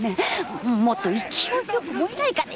もっと勢いよく燃えないかね？